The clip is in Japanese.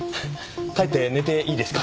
帰って寝ていいですか？